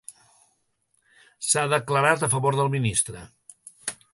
S'ha declarat a favor del ministre.